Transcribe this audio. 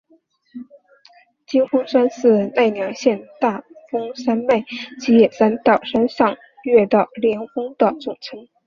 金峰山是奈良县大峰山脉吉野山到山上岳的连峰的总称。